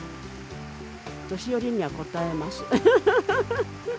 年寄りにはこたえます。